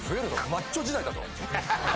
マッチョ時代だと。